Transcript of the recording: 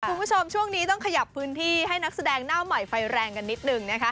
คุณผู้ชมช่วงนี้ต้องขยับพื้นที่ให้นักแสดงหน้าใหม่ไฟแรงกันนิดนึงนะคะ